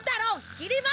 きり丸！